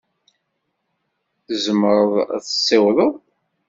Tzemreḍ ad t-tessiwḍeḍ?